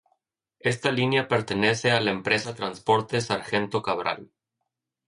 Esta línea pertenece a la empresa Transporte Sargento Cabral.